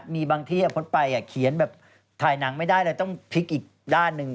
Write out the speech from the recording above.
มีบางที่พดไปเขียนแบบถ่ายหนังไม่ได้เลยต้องพลิกอีกด้านหนึ่ง